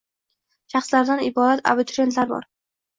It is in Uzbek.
Shaxslardan iborat abituriyentlar bor